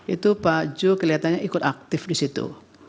itu pak ju kelihatannya ikut aktif di situ